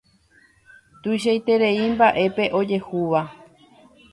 Tuichaiterei mbaʼe pe ojehúva.